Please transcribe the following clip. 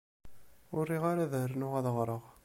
Ur riɣ ad rnuɣ ad ɣreɣ.